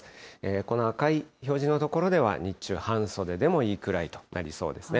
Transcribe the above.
この赤い表示の所では日中、半袖でもいいくらいとなりそうですね。